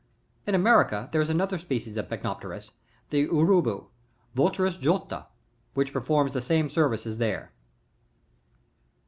23. In America there is another species of Percnopterus, the VrubUf — Pii//iirjo/a,^which performs the same services there.